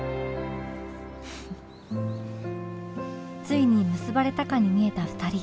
ついに結ばれたかに見えた２人